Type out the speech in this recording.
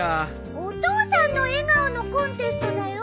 お父さんの笑顔のコンテストだよ。